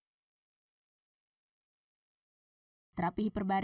terapi hiperbarik menggunakan penyakit dekompresi akibat penyelaman